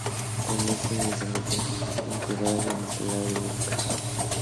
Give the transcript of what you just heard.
Cuando estas no eran empleadas, iban colgadas a los lados del casco.